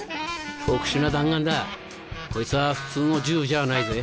特殊な弾丸だこいつは普通の銃じゃないぜ。